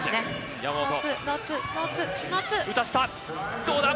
打たせた、どうだ？